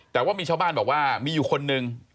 แต่ว่ามีชาวบ้านบอกว่ามีอยู่คนนึง